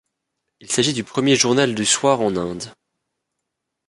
Il s'agit du premier journal du soir en Inde.